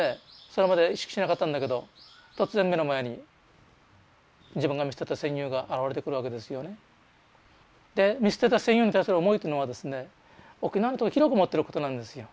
それまで意識しなかったんだけど突然目の前に自分が見捨てた戦友が現れてくるわけですよね。で見捨てた戦友に対する思いというのはですね沖縄の人が広く持ってることなんですよ。